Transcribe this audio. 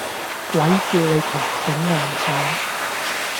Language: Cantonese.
鬼叫你窮頂硬上